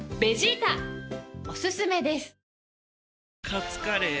カツカレー？